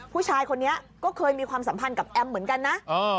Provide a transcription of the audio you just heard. ผู้ชายคนนี้ก็เคยมีความสัมพันธ์กับแอมเหมือนกันนะ